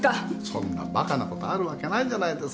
そんなバカなことあるわけないじゃないですか。